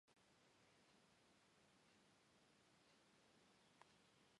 იკვებება როგორც ველური, ისე კულტურული ჯვაროსნების ფოთლებით.